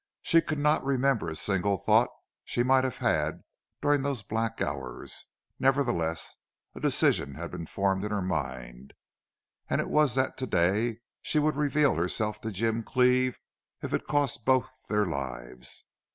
She could not remember a single thought she might have had during those black hours; nevertheless, a decision had been formed in her mind, and it was that to day she would reveal herself to Jim Cleve if it cost both their lives.